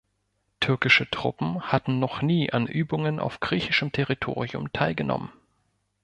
Türkische Truppen hatten noch nie an Übungen auf griechischem Territorium teilgenommen.